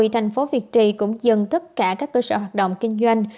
thành phố việt trì cũng dừng tất cả các cơ sở hoạt động kinh doanh